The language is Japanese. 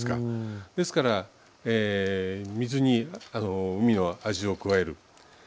ですから水に海の味を加える。